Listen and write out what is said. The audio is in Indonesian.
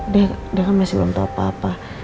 dek dek masih belum tau apa apa